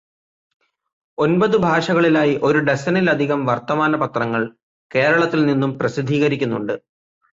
ഒമ്പത് ഭാഷകളിലായി ഒരു ഡസനിലധികം വർത്തമാനപത്രങ്ങൾ കേരളത്തിൽ നിന്നും പ്രസിദ്ധീകരിക്കുന്നുണ്ട്.